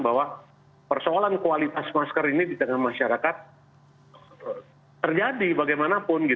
bahwa persoalan kualitas masker ini di tengah masyarakat terjadi bagaimanapun